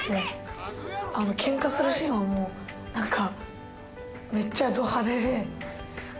ケンカするシーンはもう何か。